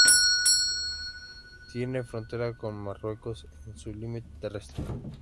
Tiene frontera con Marruecos en su límite terrestre.